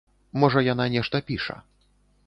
Можа яна нешта піша.